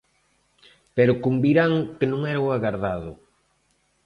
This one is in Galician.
Pero convirán que non era o agardado.